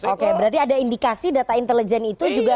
oke berarti ada indikasi data intelijen itu juga